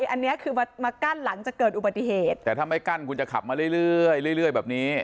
อันนี้คือมากั้นหลังจากเกิดอุบัติเหตุแต่ถ้าไม่กั้นคุณจะขับมาเรื่อยเรื่อยแบบนี้